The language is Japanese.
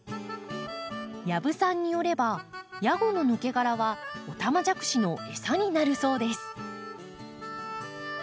養父さんによればヤゴの抜け殻はオタマジャクシのエサになるそうです。